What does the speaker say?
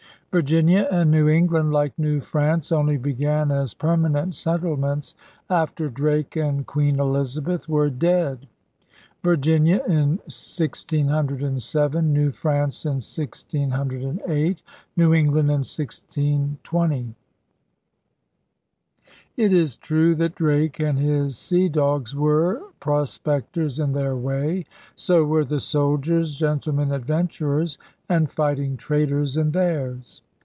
Virginia and New England, like New France, only began as perma nent settlements after Drake and Queen Elizabeth were dead: Virginia in 1607, New France in 1608, New England in 1620. It is true that Drake and his sea dogs were pros pectors in their way. So were the soldiers, gentle men adventurers, and fighting traders in theirs.